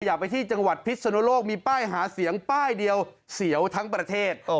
อยากไปที่จังหวัดพิษนุโลกมีป้ายหาเสียงป้ายเดียวเสียวทั้งประเทศ